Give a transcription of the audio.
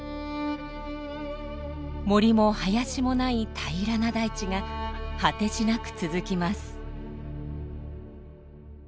森も林もない平らな大地が果てしなく続きます。